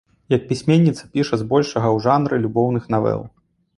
Як пісьменніца піша з большага ў жанры любоўных навел.